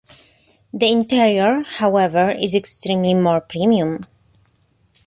The interior, however, is extremely more premium.